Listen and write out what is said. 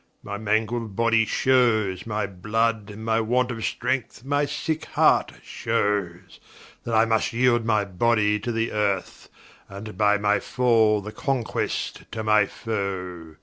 my mangled body shewes, My blood, my want of strength, my sicke heart shewes, That I must yeeld my body to the Earth, And by my fall, the conquest to my foe.